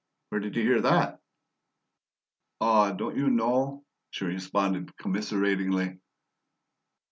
"Where did you hear that?" "Ah, don't you know?" she responded commiseratingly.